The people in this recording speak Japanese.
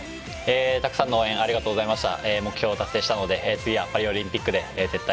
たくさんの応援ありがとうございました。